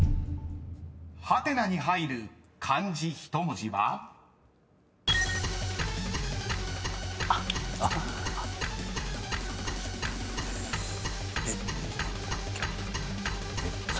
［ハテナに入る漢字１文字は？］三。